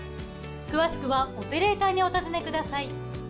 詳しくはオペレーターにお尋ねください。